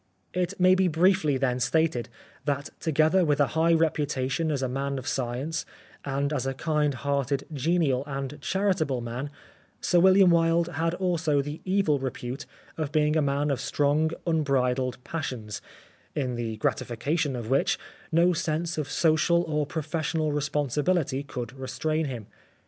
It may be briefly then stated that together with a high reputation as a man of science and as a kind hearted, genial and charitable man, Sir William Wilde had also the evil repute of being a man of strong, unbridled passions, in the gratification of which no sense of social or pro fessional responsibility could restrain him.